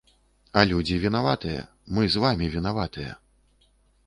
А людзі вінаватыя, мы з вамі вінаватыя.